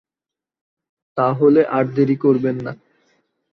তা হলে আর দেরি করবেন না!